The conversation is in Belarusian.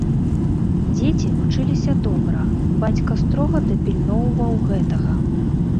Дзеці вучыліся добра, бацька строга дапільноўваў гэтага.